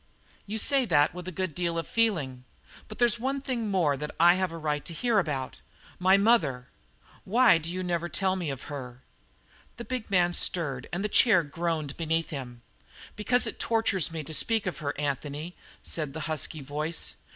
"You say that with a good deal of feeling. But there's one thing more that I have a right to hear about. My mother! Why do you never tell me of her?" The big man stirred and the chair groaned beneath him. "Because it tortures me to speak of her, Anthony," said the husky voice.